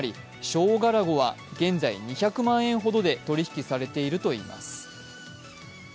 ショウガラゴは現在２００万円ほどで取り引きされているといいます。